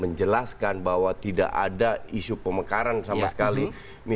menjelaskan bahwa tidak ada isu pemekaran sama sekali